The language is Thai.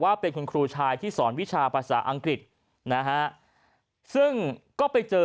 ว่าเป็นคุณครูชายที่สอนวิชาภาษาอังกฤษนะฮะซึ่งก็ไปเจอ